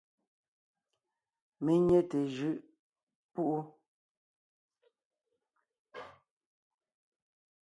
Mé nyé té jʉʼ púʼu.